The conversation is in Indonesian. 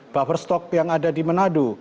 buffer stock yang ada di manado